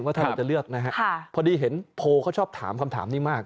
ว่าถ้าเราจะเลือกนะฮะพอดีเห็นโพลเขาชอบถามคำถามนี้มาก